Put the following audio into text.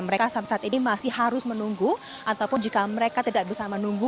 mereka saat ini masih harus menunggu ataupun jika mereka tidak bisa menunggu